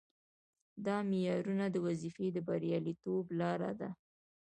دا معیارونه د وظیفې د بریالیتوب لپاره دي.